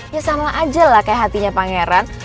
ya sama aja lah kayak hatinya pangeran